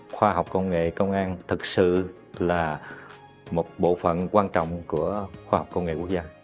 khoa học công nghệ công an thực sự là một bộ phận quan trọng của khoa học công nghệ quốc gia